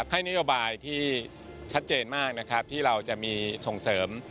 ให้นิวบายที่ชัดเจนมากที่เราจะมีส่งเสริม